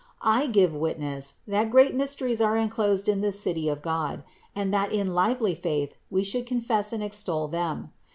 I give witness, that great mysteries are enclosed in this City of God and that in lively faith we should confess and extol them.